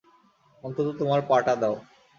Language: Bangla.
অন্তত তোমার পা টা দাও!